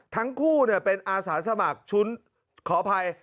ทั้งคู่เป็นอาสาสมัครชุดขออภัย